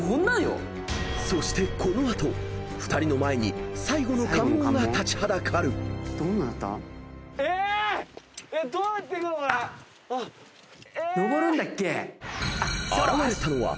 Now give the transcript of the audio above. ［そしてこの後２人の前に最後の関門が立ちはだかる］え⁉［現れたのは］